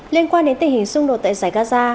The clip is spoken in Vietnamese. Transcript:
liên quan đến tình hình xung đột tại giải gaza